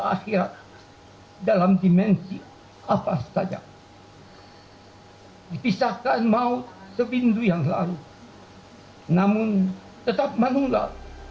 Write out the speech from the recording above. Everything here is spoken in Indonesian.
akhirat dalam dimensi apa saja dipisahkan mau seminggu yang lalu namun tetap manula